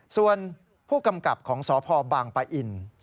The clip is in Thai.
ส่วนผู้กำกับของสพบางปะอิน